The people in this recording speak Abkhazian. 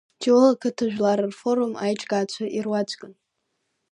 Ҷлоу ақыҭа жәлар рфорум аиҿкаацәа ируаӡәкын…